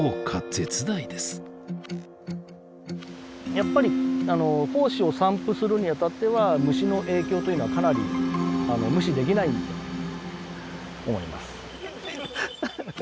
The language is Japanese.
やっぱり胞子を散布するにあたっては虫の影響というのはかなり無視できないと思います。